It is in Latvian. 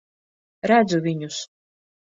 Redzu viņus.